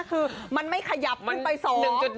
คือมันไม่ขยับขึ้นไป๒๑๑๑๕๑๖เออ